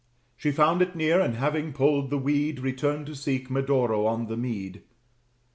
She found it near, and having pulled the weed, Returned to seek Medoro on the mead.